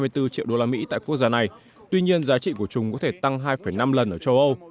hai trăm hai mươi bốn triệu đô la mỹ tại quốc gia này tuy nhiên giá trị của chúng có thể tăng hai năm lần ở châu âu